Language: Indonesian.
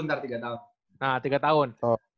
tiga puluh ntar tiga tahun nah tiga tahun